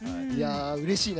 うれしいな。